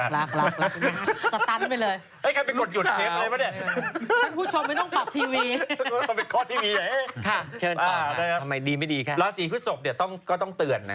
นักน่าวนิ่งไป